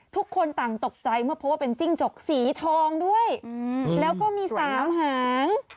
ทุกคนต่างตกใจเมื่อพบว่าเป็นจิ้งจกสีทองด้วยแล้วก็มี๓หาง